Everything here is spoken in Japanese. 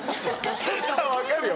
分かるよ。